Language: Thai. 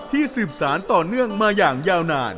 สืบสารต่อเนื่องมาอย่างยาวนาน